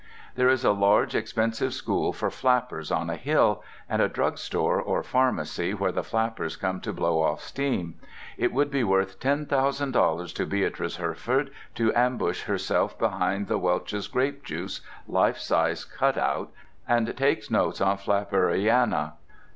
There is a large, expensive school for flappers, on a hill; and a drugstore or pharmacy where the flappers come to blow off steam. It would be worth ten thousand dollars to Beatrice Herford to ambush herself behind the Welch's grape juice life size cut out, and takes notes on flapperiana.